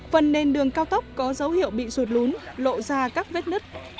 phần nền đường cao tốc có dấu hiệu bị sụt lún lộ ra các vết nứt